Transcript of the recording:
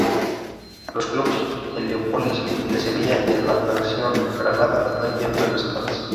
Los clubes Heliópolis de Sevilla y el Natación Granada no envían representantes.